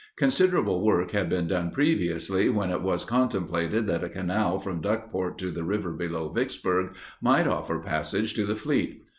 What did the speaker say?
Considerable work had been done previously when it was contemplated that a canal from Duckport to the river below Vicksburg might offer passage to the fleet.